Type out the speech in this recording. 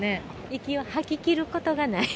息を吐き切ることがない。